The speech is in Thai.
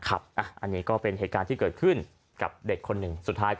อันนี้ก็เป็นเหตุการณ์ที่เกิดขึ้นอยู่กับเด็กคนนึง